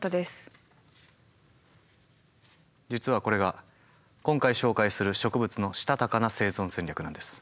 実はこれが今回紹介する植物のしたたかな生存戦略なんです。